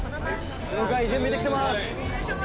了解準備できてます。